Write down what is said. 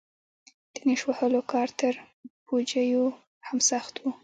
د نېش وهلو کار تر پوجيو هم سخت و.